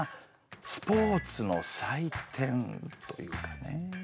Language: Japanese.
スポーツの祭典というかね。